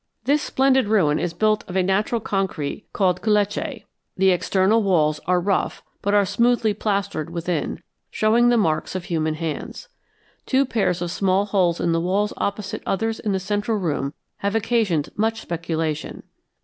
This splendid ruin is built of a natural concrete called culeche. The external walls are rough, but are smoothly plastered within, showing the marks of human hands. Two pairs of small holes in the walls opposite others in the central room have occasioned much speculation.